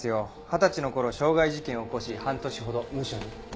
二十歳の頃傷害事件を起こし半年ほどムショに。